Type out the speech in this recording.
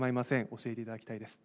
教えていただきたいです。